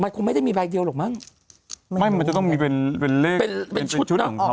คงไม่ได้มีใบเดียวหรอกมั้งไม่มันจะต้องมีเป็นเป็นเลขเป็นเป็นชุดเนอะ